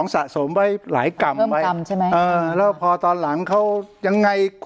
สะสมไว้หลายกรรมไว้กรรมใช่ไหมเออแล้วพอตอนหลังเขายังไง